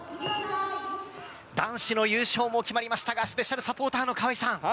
男子の優勝も決まりましたがスペシャルサポーターの河合さん